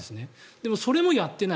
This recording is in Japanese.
でもそれもやっていない。